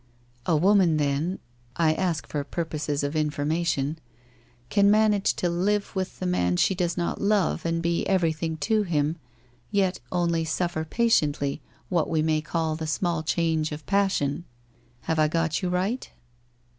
' A woman then — I ask for purposes of imf ormation ?— can manage to live with the man she does not love and be everything to him — yet only suffer patiently what we may call the small change of passion? Have I got you right?'